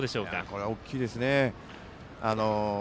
これは大きいですね。